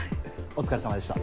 お疲れさまでした。